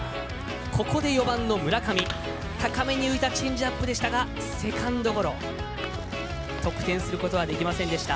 ここで４番の村上、高め浮いたチェンジアップでしたセカンドゴロ得点することはできませんでした。